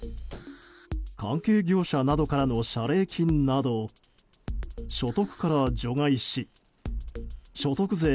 関係業者などからの謝礼金など所得から除外し所得税